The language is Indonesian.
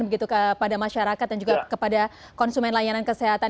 begitu kepada masyarakat dan juga kepada konsumen layanan kesehatan